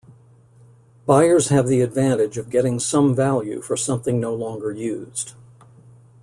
Buyers have the advantage of getting some value for something no longer used.